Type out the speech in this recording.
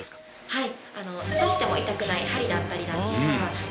はい。